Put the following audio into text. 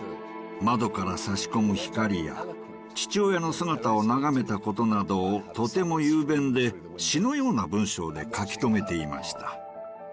窓からさし込む光や父親の姿を眺めたことなどをとても雄弁で詩のような文章で書き留めていました。